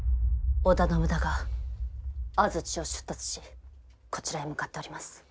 織田信長安土を出立しこちらへ向かっております。